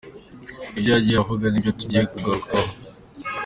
Ibyo yagiye avuga nibyo tugiye kugarukaho.